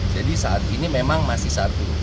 jadi saat ini memang masih satu